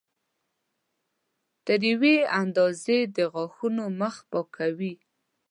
تر یوې اندازې د غاښونو مخ پاکوي.